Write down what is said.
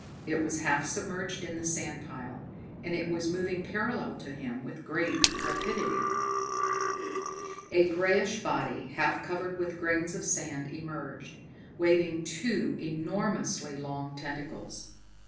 It was half submerged in the sand pile, and it was moving parallel to him with great rapidity. A grayish body, half covered with grains of sand emerged, waving two enormously long tentacles.